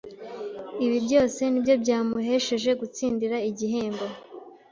Ibi byose nibyo byamuhesheje gutsindira igihembo